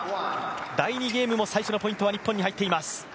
第２ゲームも最初のポイントは日本に入っています。